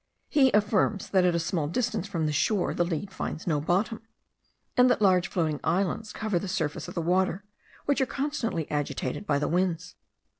He affirms that at a small distance from the shore the lead finds no bottom; and that large floating islands cover the surface of the waters, which are constantly agitated by the winds.